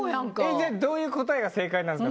じゃあどういう答えが正解なんですか？